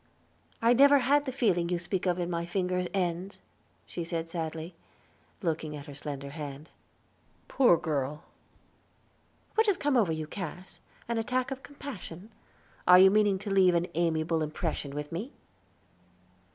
"I never had the feeling you speak of in my finger ends," she said sadly, looking at her slender hand. "Poor girl!" "What has come over you, Cass? An attack of compassion? Are you meaning to leave an amiable impression with me?"